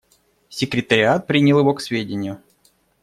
Секретариат принял его к сведению.